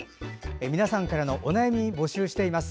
皆さんからのお悩み募集しています。